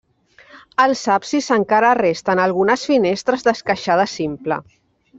Als absis encara resten algunes finestres d'esqueixada simple.